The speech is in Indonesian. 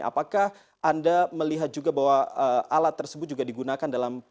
apakah anda melihat juga bahwa alat tersebut juga digunakan dalam